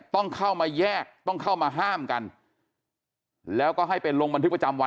ต้องเข้ามาแยกต้องเข้ามาห้ามกันแล้วก็ให้ไปลงบันทึกประจำวัน